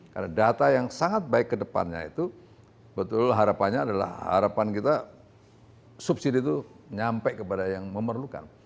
karena data yang sangat baik kedepannya itu betul harapannya adalah harapan kita subsidi itu nyampe kepada yang memerlukan